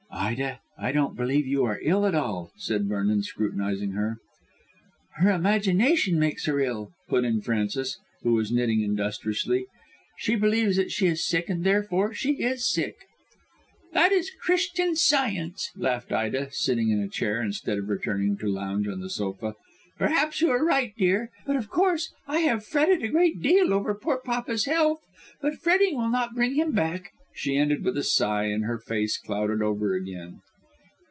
"Ida, I don't believe you are ill at all," said Vernon, scrutinising her. "Her imagination makes her ill," put in Frances, who was knitting industriously. "She believes that she is sick, and therefore she is sick." "That is Christian Science," laughed Ida, sitting in a chair instead of returning to lounge on the sofa. "Perhaps you are right, dear. Of course, I have fretted a great deal over poor papa's death, but fretting will not bring him back," she ended with a sigh, and her face clouded over again.